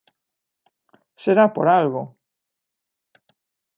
Será por algo.